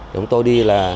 chúng tôi đi là